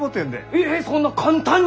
ええっそんな簡単に！？